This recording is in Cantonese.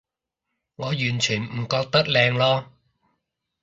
我完全唔覺得靚囉